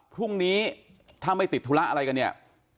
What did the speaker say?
พรุ่งนี้ถ้าไม่ติดธุระอะไรกันเนี่ย